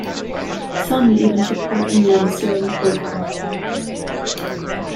Some even took part in the ensuing pogrom.